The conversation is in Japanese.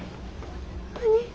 何？